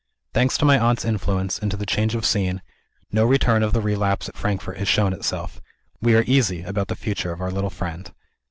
Thanks to my aunt's influence, and to the change of scene, no return of the relapse at Frankfort has shown itself. We are easy about the future of our little friend.